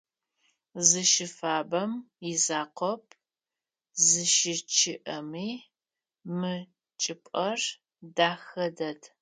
Зыщыфабэм изакъоп, зыщычъыӏэми мы чӏыпӏэр дэхэ дэд.